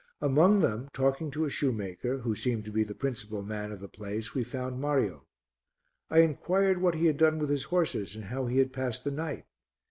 Among them, talking to a shoemaker, who seemed to be the principal man of the place, we found Mario. I inquired what he had done with his horses and how he had passed the night.